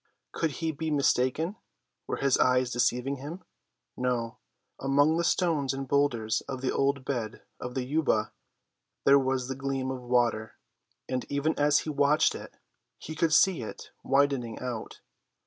Could he be mistaken? Were his eyes deceiving him? No; among the stones and boulders of the old bed of the Yuba there was the gleam of water, and even as he watched it he could see it widening out.